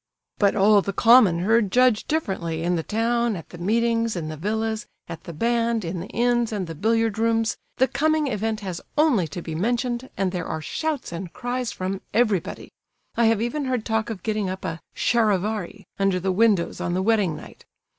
"But all the common herd judge differently; in the town, at the meetings, in the villas, at the band, in the inns and the billiard rooms, the coming event has only to be mentioned and there are shouts and cries from everybody. I have even heard talk of getting up a 'charivari' under the windows on the wedding night.